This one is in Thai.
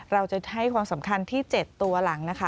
เราจะให้ความสำคัญที่๗ตัวหลังนะคะ